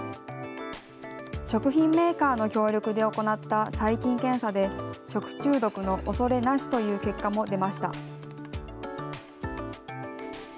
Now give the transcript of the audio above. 食品メーカーの協力で行った細菌検査で、食中毒のおそれなしという結果も出ました。